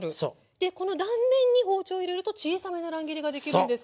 でこの断面に包丁を入れると小さめの乱切りができるんですか。